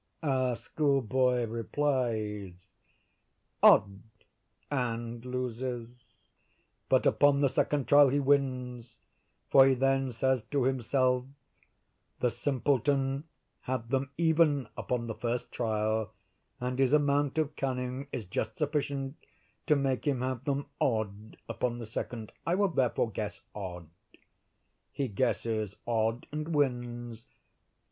Our schoolboy replies, 'odd,' and loses; but upon the second trial he wins, for he then says to himself, 'the simpleton had them even upon the first trial, and his amount of cunning is just sufficient to make him have them odd upon the second; I will therefore guess odd;'—he guesses odd, and wins.